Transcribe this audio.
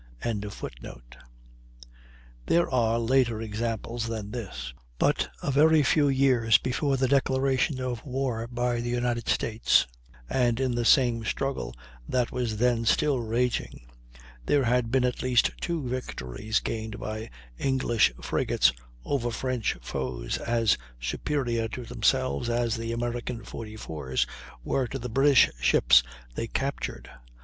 ] There are later examples than this. But a very few years before the declaration of war by the United States, and in the same struggle that was then still raging, there had been at least two victories gained by English frigates over French foes as superior to themselves as the American 44's were to the British ships they captured.